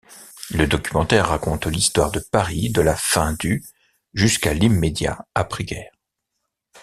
Le documentaire raconte l'histoire de Paris de la fin du jusqu'à l'immédiat après guerre.